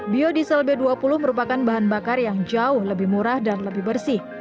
biodiesel b dua puluh merupakan bahan bakar yang jauh lebih murah dan lebih bersih